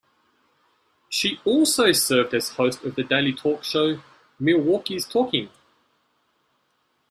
She also served as host of the daily talk show "Milwaukee's Talking".